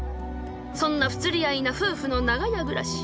そんな不釣り合いな夫婦の長屋暮らし。